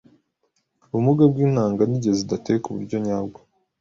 Ubumuga bw’intanga ni igihe zidateye ku buryo nyabwo